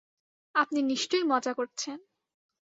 আপনি নিশ্চয় মজা করছেন।